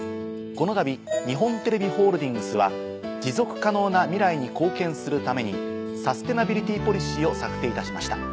このたび日本テレビホールディングスは持続可能な未来に貢献するためにサステナビリティポリシーを策定いたしました。